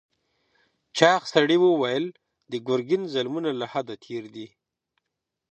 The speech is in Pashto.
چاغ سړي وویل د ګرګین ظلمونه له حده تېر دي.